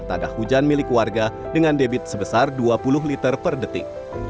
tada hujan milik warga dengan debit sebesar dua puluh liter per detik